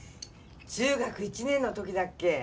中学１年の時だっけ？